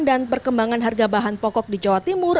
dan perkembangan harga bahan pokok di jawa timur